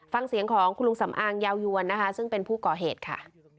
ฟังเสียงของคุณลุงสำอางยาวยวนนะคะซึ่งเป็นผู้ก่อเหตุค่ะ